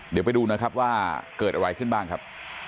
เดี๋ยวไปดูนะครับว่าเกิดอะไรขึ้นบ้างครับ